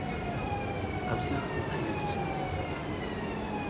ኣብዚ እንታይ እዩ እቲ ስምምዕ?